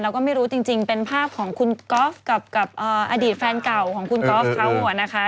แล้วก็ไม่รู้จริงเป็นภาพของคุณก๊อฟกับอดีตแฟนเก่าของคุณก๊อฟเขานะคะ